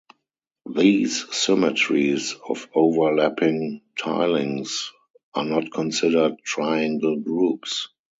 These symmetries of overlapping tilings are not considered triangle groups.